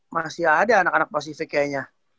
masih ada anak anak pasifik kayaknya